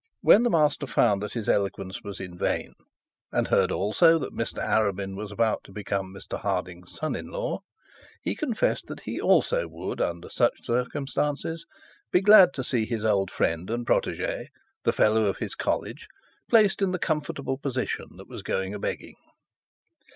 When the master found that his eloquence was vain, and heard also that Mr Arabin was about to become Mr Harding's son in law, he confessed that he also would, under such circumstances, be glad to see his old friend and protege, the fellow of his college, placed in the comfortable position that was going a begging.